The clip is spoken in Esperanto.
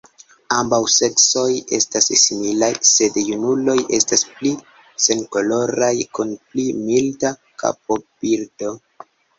Ambaŭ seksoj estas similaj, sed junuloj estas pli senkoloraj kun pli milda kapobildo.